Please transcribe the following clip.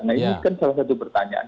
nah ini kan salah satu pertanyaan